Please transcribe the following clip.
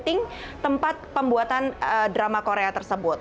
dan juga untuk memilih tempat pembuatan drama korea tersebut